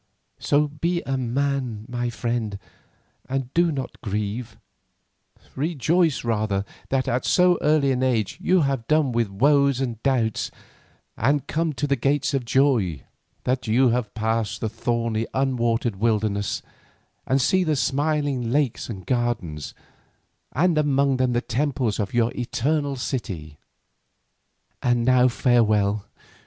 So be a man, my friend, and do not grieve; rejoice rather that at so early an age you have done with woes and doubts, and come to the gates of joy, that you have passed the thorny, unwatered wilderness and see the smiling lakes and gardens, and among them the temples of your eternal city. "And now farewell.